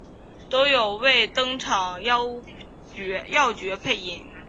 都有为登场要角配音。